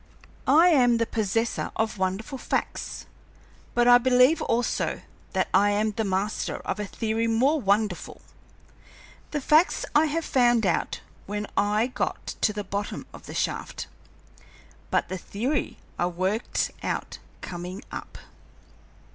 I am the possessor of wonderful facts, but I believe also that I am the master of a theory more wonderful. The facts I found out when I got to the bottom of the shaft, but the theory I worked out coming up."